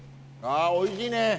あおいしいね。